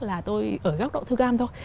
là tôi ở góc độ thu gam thôi